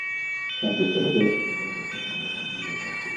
তার চেষ্টা দেখে বিদ্যালয়ের পক্ষ থেকে আমরাও সাধ্য অনুযায়ী সহায়তা করেছি।